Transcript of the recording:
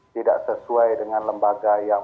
tidak sesuai dengan lembaga yang